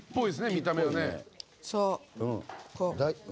見た目はね。